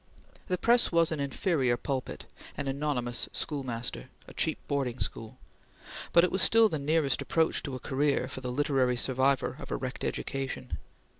The press was an inferior pulpit; an anonymous schoolmaster; a cheap boarding school but it was still the nearest approach to a career for the literary survivor of a wrecked education.